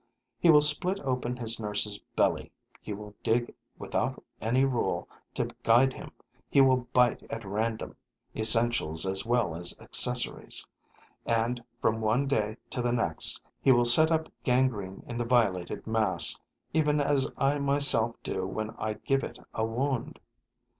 He will split open his nurse's belly, he will dig without any rule to guide him, he will bite at random, essentials as well as accessories; and, from one day to the next, he will set up gangrene in the violated mass, even as I myself do when I give it a wound.